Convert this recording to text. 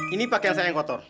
ini pakaian saya yang kotor